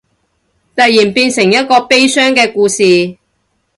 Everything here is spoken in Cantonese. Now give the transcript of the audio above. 突然變成一個悲傷嘅故事